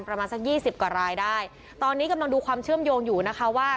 ประมาณสักยี่สิบกว่ารายได้ตอนนี้กำลังดูความเชื่อมโยงอยู่นะคะว่า